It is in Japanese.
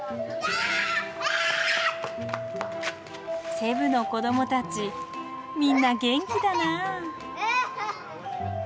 セブの子供たちみんな元気だなあ。